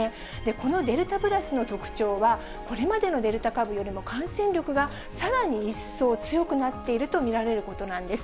このデルタプラスの特徴は、これまでのデルタ株よりも感染力がさらに一層強くなっていると見られることなんです。